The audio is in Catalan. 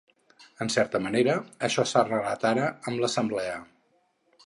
En certa manera, això s’ha arreglat ara amb l’assemblea.